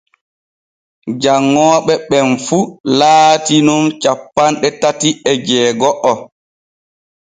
Janŋooɓe ɓen fu laati nun cappanɗe tati e jeego’o.